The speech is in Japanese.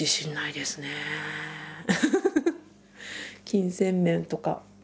金銭面とか。